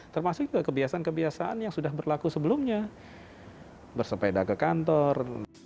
termasuk juga kebiasaan kebiasaan yang sudah berlaku sebelumnya bersepeda ke kantor